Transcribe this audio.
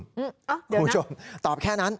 อ้าวเดี๋ยวนะคุณผู้ชมตอบแค่นั้น